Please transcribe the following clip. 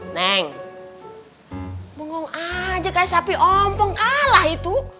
neng bengong aja kayak sapi om pengkalah itu